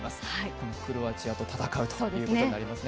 このクロアチアと戦うということですね。